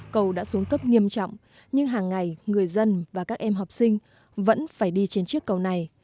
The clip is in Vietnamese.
cầu đã xuống cấp nghiêm trọng nhưng hàng ngày người dân và các em học sinh vẫn phải đi trên chiếc cầu này